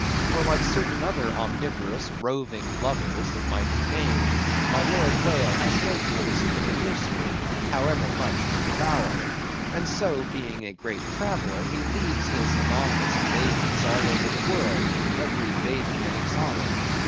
For like certain other omnivorous roving lovers that might be named, my Lord Whale has no taste for the nursery, however much for the bower; and so, being a great traveller, he leaves his anonymous babies all over the world; every baby an exotic.